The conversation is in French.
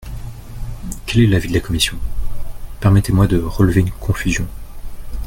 Quel est l’avis de la commission ? Permettez-moi de relever une confusion.